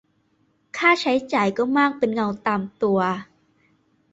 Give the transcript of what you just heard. ค่าใช้จ่ายก็มากเป็นเงาตามตัว